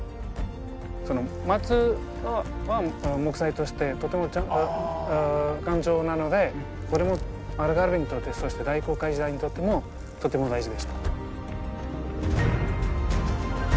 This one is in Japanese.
松は木材としてとても丈夫頑丈なのでこれもアルガルヴェにとってそして大航海時代にとってもとても大事でした。